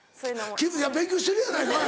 勉強してるやないかい！